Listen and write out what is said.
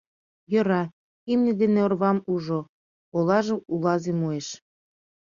Йӧра, имне ден орвам ужо, олажым улазе муэш.